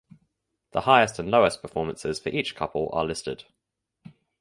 The highest and lowest performances for each couple are listed.